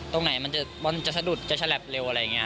ตรงไหนบอลก็จะชะดดจะแชลปเร็ว